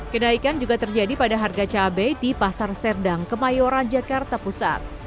kenaikan juga terjadi pada harga cabai di pasar serdang kemayoran jakarta pusat